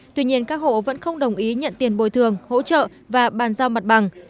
tuy nhiên các hộ vẫn không đồng ý nhận tiền bồi thường hỗ trợ và bàn giao mặt bằng